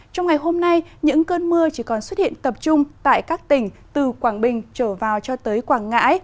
trong ngày hôm nay những cơn mưa chỉ còn xuất hiện tập trung tại các tỉnh từ quảng bình trở vào cho tới quảng ngãi